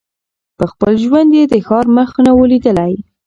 په خپل ژوند یې د ښار مخ نه وو لیدلی